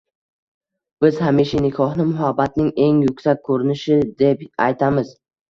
Biz hamisha nikohni muhabbatning eng yuksak ko‘rinishi deb aytamiz.